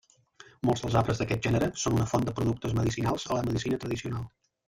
Molts dels arbres d'aquest gènere són una font de productes medicinals a la medicina tradicional.